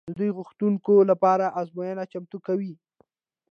دوی د غوښتونکو لپاره ازموینه چمتو کوي.